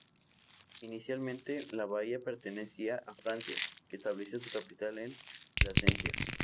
Inicialmente, la bahía pertenecía a Francia, que estableció su capital en Placentia.